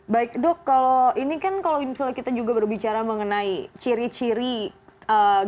baik dok ini kan kalau misalnya kita juga berbicara mengenai ciri ciri gejala lah misalnya gitu